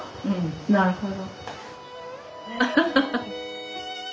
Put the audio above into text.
なるほど。